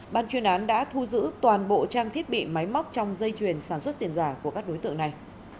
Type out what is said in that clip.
ban chuyên án đã thu giữ toàn bộ trang thiết bị máy móc trong dây chuyền sản xuất tiền giả của các đối tượng này